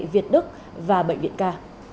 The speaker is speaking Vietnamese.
việt đức và bệnh viện ca